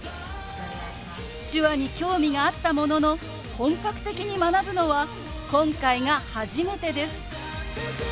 手話に興味があったものの本格的に学ぶのは今回が初めてです。